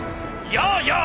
やあやあ